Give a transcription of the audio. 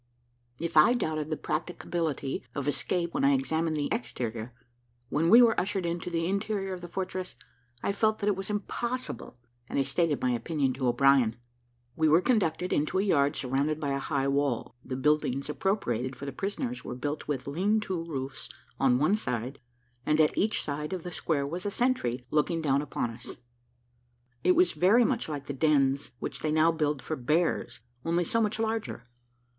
If I doubted the practicability of escape when I examined the exterior, when we were ushered into the interior of the fortress, I felt that it was impossible, and I stated my opinion to O'Brien. We were conducted into a yard surrounded by a high wall; the buildings appropriated for the prisoners were built with lean to roofs on one side, and at each side of the square was a sentry looking down upon us. It was very much like the dens which they now build for bears, only so much larger.